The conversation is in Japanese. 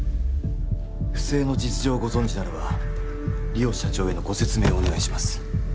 不正の実情をご存じならば梨央社長へのご説明をお願いします